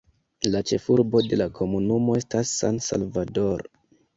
La ĉefurbo de la komunumo estas San Salvador.